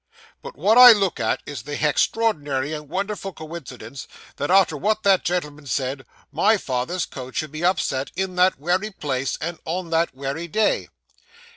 But what I look at is the hex traordinary and wonderful coincidence, that arter what that gen'l'm'n said, my father's coach should be upset in that wery place, and on that wery day!